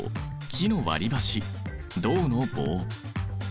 木の割りばし銅の棒。